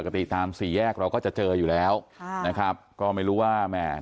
ปกติตามสี่แยกเราก็จะเจออยู่แล้วค่ะนะครับก็ไม่รู้ว่าแหม่